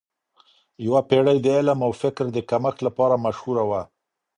یوه پیړۍ د علم او فکر د کمښت لپاره مشهوره وه.